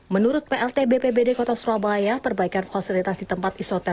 menurut plt bppbd kota surabaya perbaikan fasilitas di tempat ini tidak bisa dikendalikan